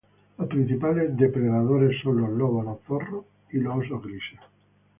Los principales depredadores son los lobos, los zorros y los osos grises.